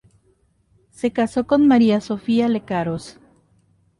Se casó con María Sofía Lecaros.